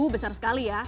besar sekali ya